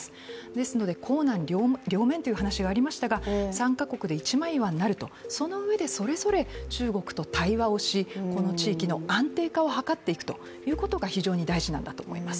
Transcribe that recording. ですので硬軟両面という話がありましたが３か国で一枚岩になると、そのうえでそれぞれ中国と対話をし、この地域の安定化を図っていくということが非常に大事なんだと思います。